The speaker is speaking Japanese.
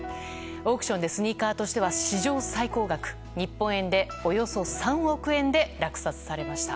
オークションでスニーカーとしては史上最高額日本円でおよそ３億円で落札されました。